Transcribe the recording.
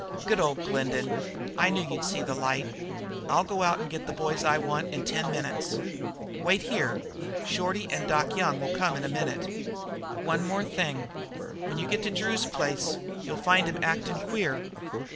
"Good ol' Glendin. I knew you'd see light. I'll go out and get the boys I want in ten minutes. Wait here. Shorty and Doc Young will come in a minute. One thing more: when you get to Drew's place you'll find him actin' queer."